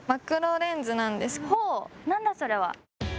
何だそれは？